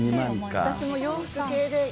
私も洋服系で。